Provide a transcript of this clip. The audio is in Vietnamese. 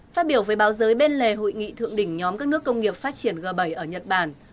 phát biểu với báo giới bên lề hội nghị thượng đỉnh nhóm các nước công nghiệp phát triển g bảy ở nhật bản